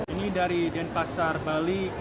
ini dari denpasar bali